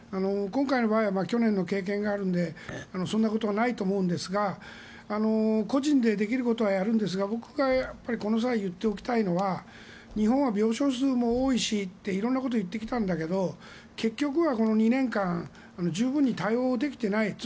今回の場合は去年の経験があるのでそんなことはないと思うんですが個人でできることはやるんですが僕がこの際言っておきたいのが日本は病床数も多いしって色んなことを言ってきたんだけど結局はこの２年間十分に対応できていない。